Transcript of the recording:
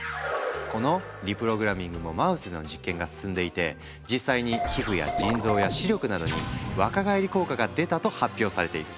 このリプログラミングもマウスでの実験が進んでいて実際に皮膚や腎臓や視力などに若返り効果が出たと発表されている。